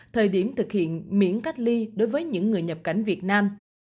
thời điểm thực hiện miễn cách ly đối với những người nhập cảnh việt nam